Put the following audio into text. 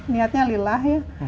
niatnya lillah ya